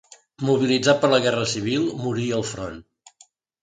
Mobilitzat per la guerra civil, morí al front.